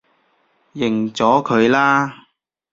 認咗佢啦